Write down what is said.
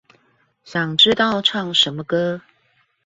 想知道唱什麼歌